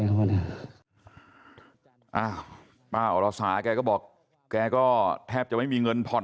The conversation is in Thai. อ้าวป้าอรสาแกก็บอกแกก็แทบจะไม่มีเงินผ่อน